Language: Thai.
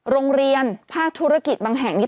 โรงเรียนภาคธุรกิจบางแห่ง